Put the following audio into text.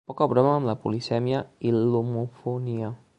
Poca broma amb la polisèmia i l'homofonia.